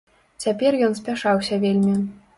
Цяпер ён спяшаўся вельмі.